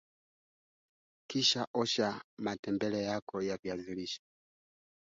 nzi wa kuuma na Mbungo